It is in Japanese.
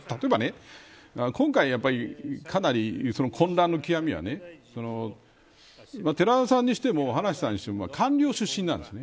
例えば、今回やっぱりかなり混乱の極みは寺田さんにしても葉梨さんにしても官僚出身なんです。